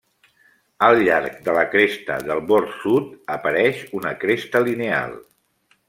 Al llarg de la cresta del bord sud apareix una cresta lineal.